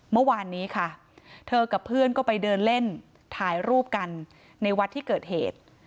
เมื่อวานนี้ค่ะเธอกับเพื่อนก็ไปเดินเล่นถ่ายรูปกันในวัดที่เกิดเหตุ